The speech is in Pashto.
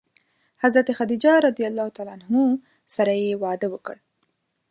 حضرت خدیجه رض سره یې واده وکړ.